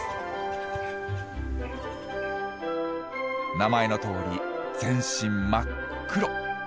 名前のとおり全身真っ黒。